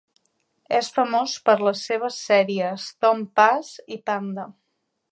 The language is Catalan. És famós per les seves sèries "Tom Puss" i "Panda".